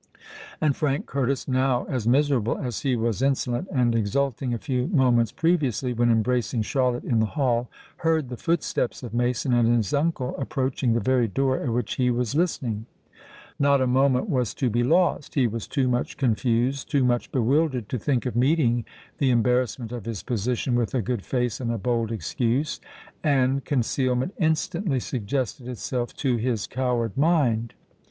And Frank Curtis—now as miserable as he was insolent and exulting a few moments previously, when embracing Charlotte in the hall—heard the footsteps of Mason and his uncle approaching the very door at which he was listening. Not a moment was to be lost. He was too much confused—too much bewildered to think of meeting the embarrassment of his position with a good face and a bold excuse: and concealment instantly suggested itself to his coward mind.